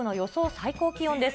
最高気温です。